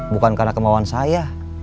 bukan karena kemauan saya